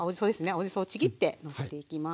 青じそをちぎってのせていきます。